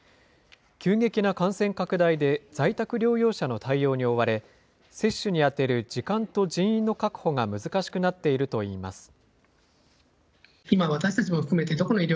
急激な感染拡大で在宅療養者の対応に追われ、接種に充てる時間と人員の確保が難しくなっているといいます。